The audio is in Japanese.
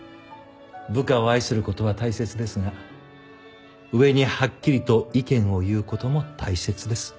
部下を愛する事は大切ですが上にはっきりと意見を言う事も大切です。